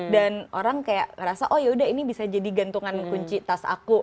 dan orang kayak ngerasa oh yaudah ini bisa jadi gantungan kunci tas aku